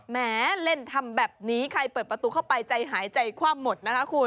แหมเล่นทำแบบนี้ใครเปิดประตูเข้าไปใจหายใจคว่ำหมดนะคะคุณ